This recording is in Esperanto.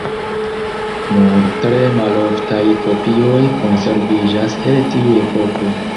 Nur tre maloftaj kopioj konserviĝas el tiu epoko.